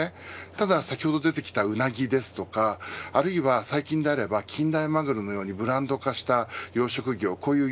ただ先ほど出てきたウナギですとかあるいは、最近であれば近大マグロのようにブランド化した養殖魚もあります。